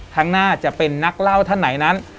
ข้างหน้าจะเป็นนักเล่าท่านไหนนั้น